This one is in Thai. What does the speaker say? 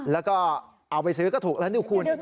แล้วก็เอาไปซื้อก็ถูกแล้วนี่คุณ